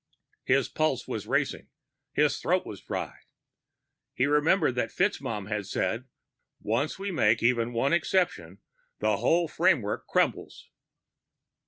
His pulse was racing; his throat was dry. He remembered what FitzMaugham had said: _Once we make even one exception, the whole framework crumbles.